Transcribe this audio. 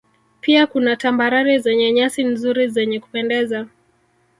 Pia kuna Tambarare zenye nyasi nzuri zenye kupendeza